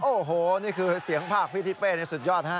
โอ้โหนี่คือเสียงภาคพี่ทิเป้นี่สุดยอดฮะ